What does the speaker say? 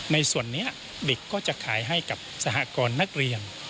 ในส่วนนี้เด็กก็จะขายให้กับสหกรณ์นักเรียน